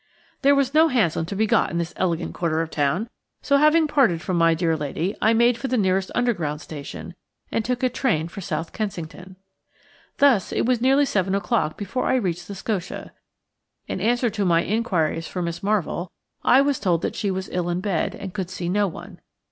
There was no hansom to be got in this elegant quarter of the town, so, having parted from my dear lady, I made for the nearest Underground station, and took a train for South Kensington. Thus it was nearly seven o'clock before I reached the Scotia. In answer to my inquiries for Miss Marvell, I was told that she was ill in bed and could see no one.